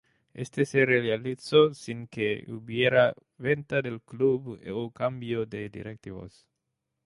Esto se realizó sin que hubiera venta del club o cambio de directivos.